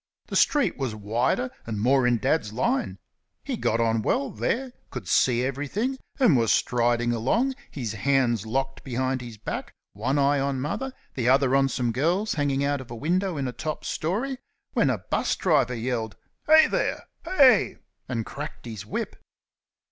The street was wider, and more in Dad's line. He got on well there, could see everything, and was striding along, his hands locked behind his back, one eye on Mother, the other on some girls hanging out of a window in a top storey, when a 'bus driver yelled "Heigh there! heigh!" and cracked his whip.